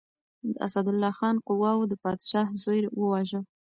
د اسدالله خان قواوو د پادشاه زوی وواژه.